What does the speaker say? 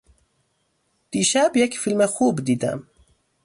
دیشب یک فیلم خوب دیدم.